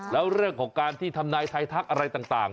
แล้วเรื่องของการที่ทำนายไทยทักอะไรต่าง